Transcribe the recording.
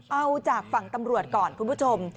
เอาจากฝั่งตำรวจก่อนคุณผู้ชม